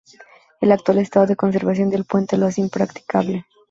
El actual estado de conservación del puente lo hace impracticable.